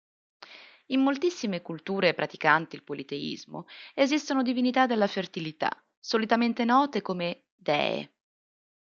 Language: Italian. In moltissime culture praticanti il politeismo esistono divinità della fertilità, solitamente note come Dee.